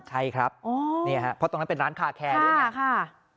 ใช่ครับเพราะตรงนั้นเป็นร้านคาแคร์ด้วยไง